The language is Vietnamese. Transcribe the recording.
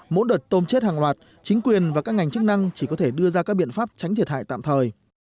mỗi đợt tôm chết hàng loạt chính quyền và các ngành chức năng chỉ có thể đưa ra các biện pháp tránh thiệt hại tạm thời